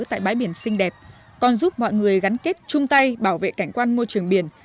tại bãi biển xinh đẹp còn giúp mọi người gắn kết chung tay bảo vệ cảnh quan môi trường biển